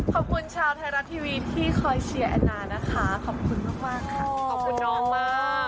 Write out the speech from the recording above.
ขอบคุณชาวไทยรับทีวีที่คอยเชียร์แอนนานะคะขอบคุณมากค่ะ